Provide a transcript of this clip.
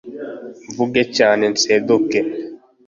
mvuge cyane nseduke